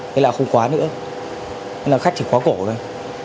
thế là không khóa nữa thế là khách thì khóa cổ thôi